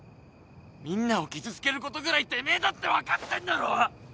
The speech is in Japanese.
みんなを傷つけることぐらいてめえだって分かってんだろ！？